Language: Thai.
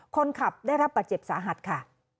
คนขับได้รับบาดเจ็บสาหัสค่ะ